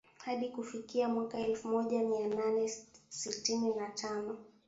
hadi kufikia mwaka elfu moja mia nane sitini na tano